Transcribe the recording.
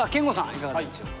いかがでしょうか。